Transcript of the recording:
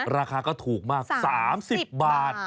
ราคาก็ถูกมาก๓๐บาท